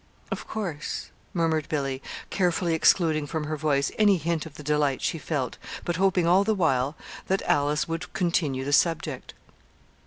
"Of course," murmured Billy, carefully excluding from her voice any hint of the delight she felt, but hoping, all the while, that Alice would continue the subject.